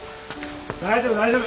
大丈夫大丈夫。